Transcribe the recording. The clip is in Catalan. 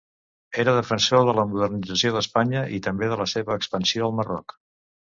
Era defensor de la modernització d'Espanya, i també de la seva expansió al Marroc.